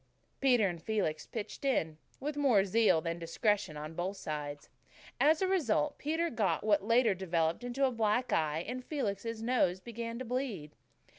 Peter and Felix "pitched in," with more zeal than discretion on both sides. As a result, Peter got what later developed into a black eye, and Felix's nose began to bleed.